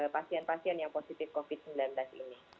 pasien pasien yang positif covid sembilan belas ini